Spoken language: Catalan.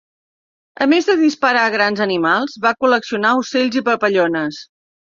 A més de disparar a grans animals, va col·leccionar ocells i papallones.